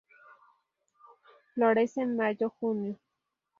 Florece en mayo-junio.